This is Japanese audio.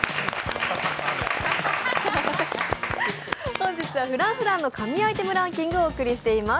本日はＦｒａｎｃＦｒａｎｃの神アイテムランキングを御紹介しています。